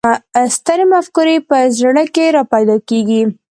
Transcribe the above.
سترې مفکورې په زړه کې را پیدا کېږي.